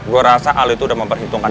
gue rasa ali tuh udah memperhitungkan